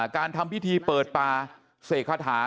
การทำพิธีเปิดป่าเสกคาถา